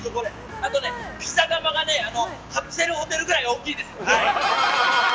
あとね、ピザ窯がカプセルホテルぐらい大きいです。